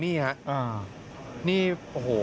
นี่โอ้โห